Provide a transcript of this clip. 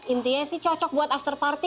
intinya sih cocok buat after party